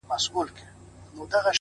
صبر د سختو پړاوونو پُل دی؛